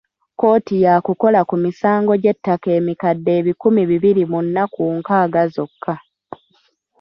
Kkooti yaakukola ku misango gy’ettaka emikadde ebikumi bibiri mu nnaku nkaaga zokka.